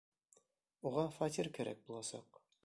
Уға фатир кәрәк буласаҡ.